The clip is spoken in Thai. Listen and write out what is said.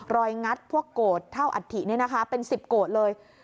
รอยงัดพวกโกดเท่าอัฐิเนี่ยนะคะเป็น๑๐โกดเลย